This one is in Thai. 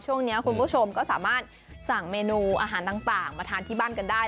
ช่วงนี้คุณผู้ชมก็สามารถสั่งเมนูอาหารต่างมาทานที่บ้านกันได้